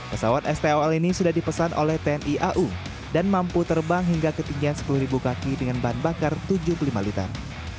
pesawat stol ini sudah dipesan oleh tni au dan mampu terbang hingga ketinggian sepuluh kaki dengan bahan bakar tujuh puluh lima liter